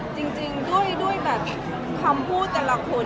จริงด้วยคำพูดแต่ละคนก็คือ